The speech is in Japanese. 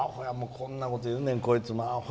こんなこと言うねん、こいつ。